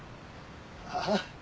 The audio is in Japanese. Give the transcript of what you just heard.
ああ？